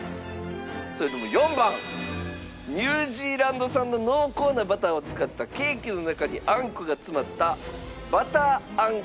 それとも４番ニュージーランド産の濃厚なバターを使ったケーキの中にあんこが詰まったばたーあん